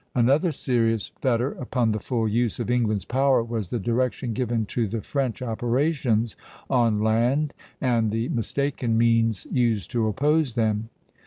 Another serious fetter upon the full use of England's power was the direction given to the French operations on land and the mistaken means used to oppose them.